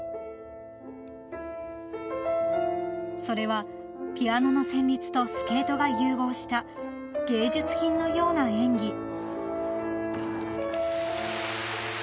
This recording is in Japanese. ［それはピアノの旋律とスケートが融合した芸術品のような演技］